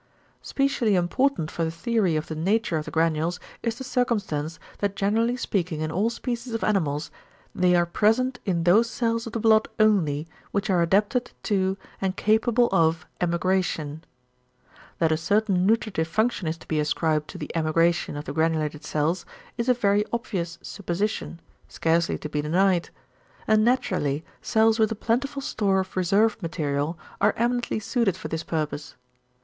Specially important for a theory of the nature of the granules is the circumstance, that generally speaking in all species of animals =they are present in those cells of the blood only which are adapted to and capable of emigration=. That a certain nutritive function is to be ascribed to the emigration of the granulated cells is a very obvious supposition, scarcely to be denied; and naturally cells with a plentiful store of reserve material are eminently suited for this purpose.